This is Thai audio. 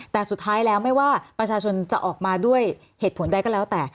แต่สุดท้ายแล้วไม่ว่าประชาชนจะออกมาด้วยเหตุผลใดก็แล้วแต่